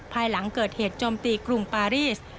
ภายหลังเกิดเหตุโจมตีกรุงปารีส